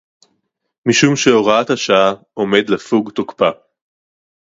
משום שהוראת השעה עומד לפוג תוקפה